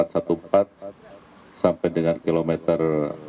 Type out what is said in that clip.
sampai dengan kilometer tujuh puluh dua